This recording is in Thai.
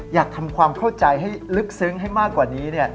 อยากทำความเข้าใจให้ลึกซึ้งให้มากกว่านี้